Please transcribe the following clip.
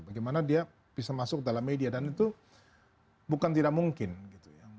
bagaimana dia bisa masuk dalam media dan itu bukan tidak mungkin gitu ya